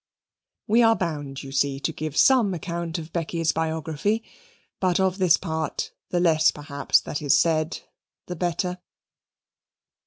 We are bound, you see, to give some account of Becky's biography, but of this part, the less, perhaps, that is said the better.